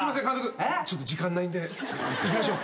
ちょっと時間ないんで。いきましょう。